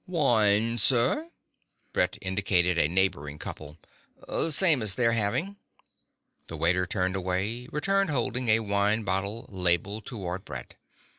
"Wine, sir?" Brett indicated the neighboring couple. "The same as they're having." The waiter turned away, returned holding a wine bottle, label toward Brett.